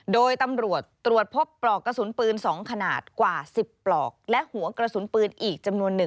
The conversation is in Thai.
โดยตำรวจตรวจพบปลอกกระสุนปืน๒ขนาดกว่า๑๐ปลอกและหัวกระสุนปืนอีกจำนวนหนึ่ง